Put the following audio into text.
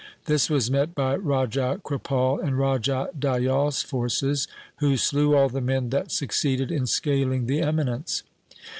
This was met by Raja Kripal and Raja Dayal's forces, who slew all the men that succeeded in scaling the eminence.